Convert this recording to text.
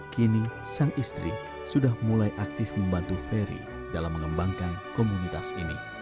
kini sang istri sudah mulai aktif membantu ferry dalam mengembangkan komunitas ini